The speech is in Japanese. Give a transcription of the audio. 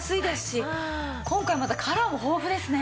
今回またカラーも豊富ですね。